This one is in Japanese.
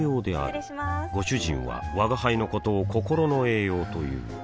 失礼しまーすご主人は吾輩のことを心の栄養という